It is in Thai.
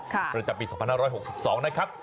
แล้วจะปี๒๙๖๒นะครับ